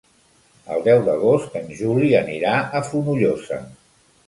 El deu d'agost en Juli anirà a Fonollosa.